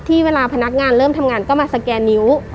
เวลาพนักงานเริ่มทำงานก็มาสแกนนิ้ว